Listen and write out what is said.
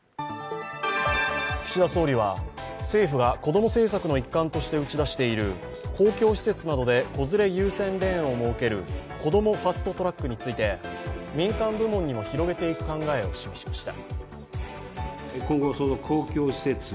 岸田総理は、政府が子ども政策の一環として打ち出している公共施設などで子連れ優先レーンを設けるこどもファスト・トラックについて民間部門にも広げていく考えを示しました。